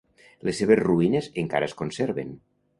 Les seves ruïnes encara es conserven.